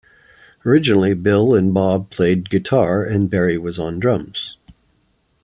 Originally Bill and Bob played guitar and Barry was on drums.